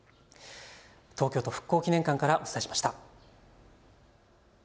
東京都復興記念館からお伝えしました。